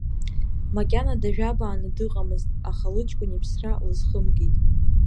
Макьана дажәабааны дыҟамызт, аха лыҷкәын иԥсра лызхымгеит.